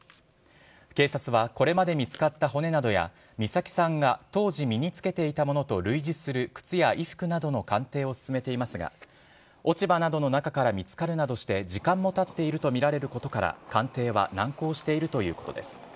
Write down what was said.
警察は、これまで見つかった骨などや、美咲さんが当時身に着けていたものと類似する靴や衣服などの鑑定を進めていますが、落ち葉などの中から見つかるなどして時間もたっていると見られることから、鑑定は難航しているということです。